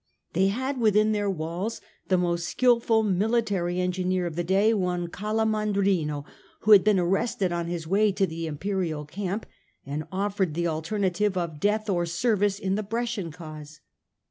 They had within their walls the most skilful military engineer of the day, one Calamandrino, who had been arrested on his way to the Imperial camp and offered the alternative of death or service in the Brescian cause.